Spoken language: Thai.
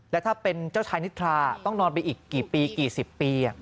แล้วถ้าเป็นเจ้าชายนิทราต้องนอนไปอีกกี่ปีกี่สิบปี